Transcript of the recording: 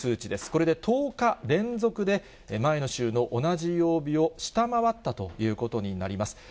これで１０日連続で、前の週の同じ曜日を下回ったということになります。